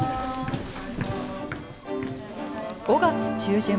５月中旬。